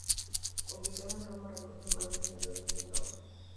Ubicado en Roma, recoge más de cientos de sus obras.